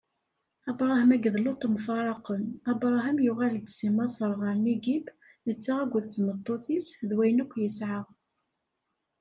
Abṛaham akked Luṭ mfaraqen Abṛaham yuɣal-d si Maṣer ɣer Nigib, netta akked tmeṭṭut-is d wayen akk yesɛa.